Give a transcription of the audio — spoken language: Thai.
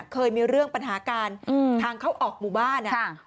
เคยมีเรื่องปัญหาการทางเข้าออกหมู่บ้าน